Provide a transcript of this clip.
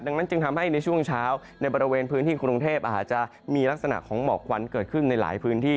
ดังนั้นจึงทำให้ในช่วงเช้าในบริเวณพื้นที่กรุงเทพอาจจะมีลักษณะของหมอกควันเกิดขึ้นในหลายพื้นที่